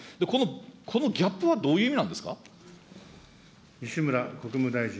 このギャップはどういう意味なんですか。